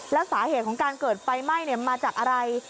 แล้วสาเหตุของการเกิดไฟไหม้มาจากอะไร